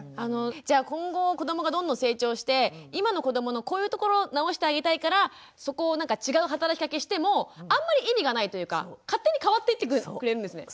じゃあ今後子どもがどんどん成長して今の子どものこういうところ直してあげたいからそこをなんか違う働きかけしてもあんまり意味がないというか勝手に変わっていってくれるんですね？